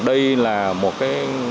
đây là một cái